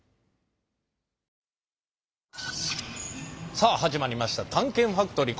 さあ始まりました「探検ファクトリー」。